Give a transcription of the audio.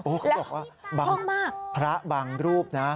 โอ้โฮเขาบอกว่าพระบังรูปนะ